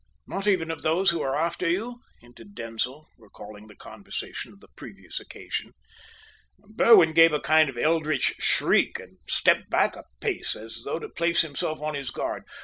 "Not even of those who are after you?" hinted Denzil, recalling the conversation of the previous occasion. Berwin gave a kind of eldritch shriek and stepped back a pace, as though to place himself on his guard.